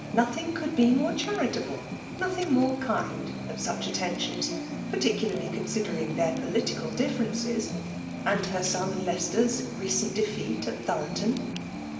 Nothing could be more cha ritable, nothing more kind than such atten tions, particularly considering their political differences, and her son Leicester's recent de feat at Thoroton.